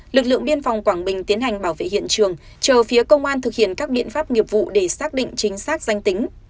lực lượng biên phòng quảng bình tiến hành bảo vệ hiện trường chờ phía công an thực hiện các biện pháp nghiệp vụ để xác định chính xác danh tính